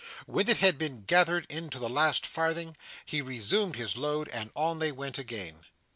When it had been gathered in to the last farthing, he resumed his load and on they went again.